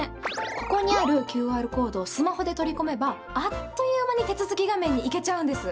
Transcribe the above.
ここにあるＱＲコードをスマホで取り込めばあっという間に手続き画面に行けちゃうんです。